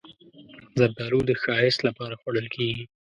زردالو د ښایست لپاره خوړل کېږي.